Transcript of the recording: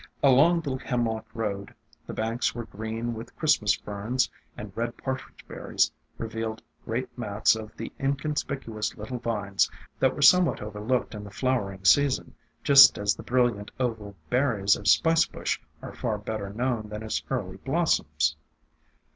Along the Hemlock road the banks were green with Christmas Ferns, and red Partridge Berries revealed great mats of the inconspicuous little vines that were somewhat overlooked in the flowering season, just as the brilliant oval berries of Spice Bush are far better known than its early blossoms.